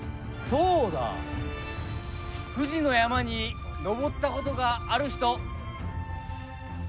そうだ富士の山に登ったことがある人。